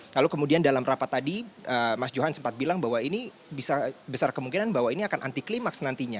lalu kemudian dalam rapat tadi mas johan sempat bilang bahwa ini bisa besar kemungkinan bahwa ini akan anti klimaks nantinya